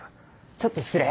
ちょっと失礼。